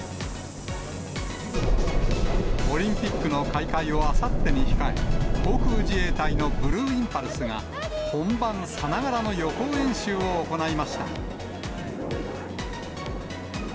オリンピックの開会をあさってに控え、航空自衛隊のブルーインパルスが、本番さながらの予行練習を行いました。